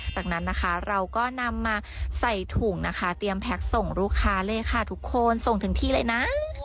จากนั้นนะคะเราก็นำมาใส่ถุงนะคะเตรียมแพ็คส่งลูกค้าเลยค่ะทุกคนส่งถึงที่เลยนะ